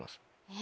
え！